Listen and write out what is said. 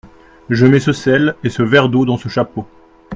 Je mets ce sel et ce verre d’eau dans ce chapeau.